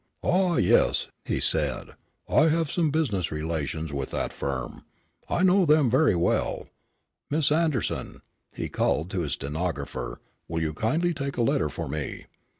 "Ah, yes," he said. "I have some business relations with that firm. I know them very well. Miss Anderson," he called to his stenographer, "will you kindly take a letter for me.